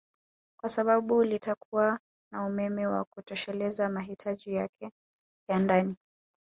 kwa sababu litakuwa na umeme wa kutosheleza mahitaji yake ya ndani